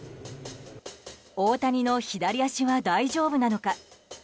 大谷の左足は大丈夫なのか。